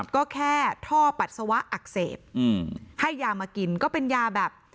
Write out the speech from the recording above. ก็แค่ท่อปัสสาวะอักเสบให้ยามากินก็เป็นยาแบบ